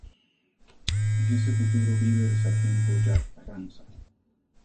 En ese futuro vive el sargento Jack Ramsay.